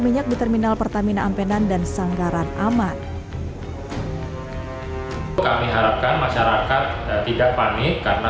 minyak di terminal pertamina ampenan dan sanggaran aman kami harapkan masyarakat tidak panik karena